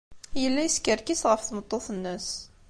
Yella yeskerkis ɣef tmeṭṭut-nnes.